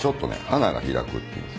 花が開くっていう。